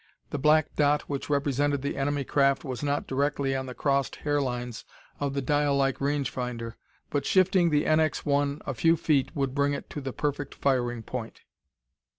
The black dot which represented the enemy craft was not directly on the crossed hair lines of the dial like range finder, but shifting the NX 1 a few feet would bring it to the perfect firing point.